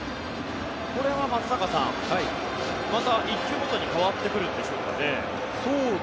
これは松坂さん、また１球ごとに変わってくるんでしょうかね。